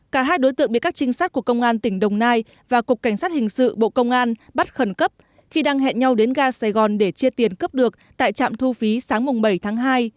cả hai đối tượng bị các trinh sát của công an tỉnh đồng nai và cục cảnh sát hình sự bộ công an bắt khẩn cấp khi đang hẹn nhau đến ga sài gòn để chia tiền cướp được tại trạm thu phí sáng bảy tháng hai